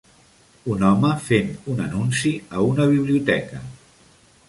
Un home fent un anunci a una biblioteca.